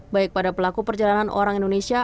baik pada pelaku perjalanan orang indonesia